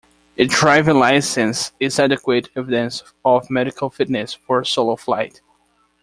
A driving licence is adequate evidence of medical fitness for solo flight.